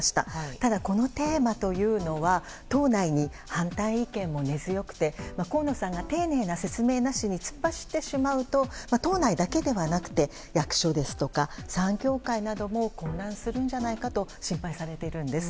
ただ、このテーマというのは党内に反対意見も根強くて河野さんが丁寧な説明なしに突っ走ってしまうと党内だけではなくて役所ですとか産業界なども混乱するんじゃないかと心配されているんです。